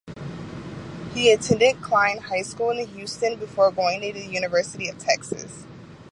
She attended Klein High School in Houston before going to University of Texas.